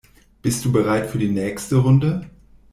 Bist du bereit für die nächste Runde?